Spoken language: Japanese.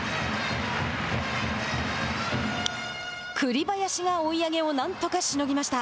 栗林が追い上げをなんとかしのぎました。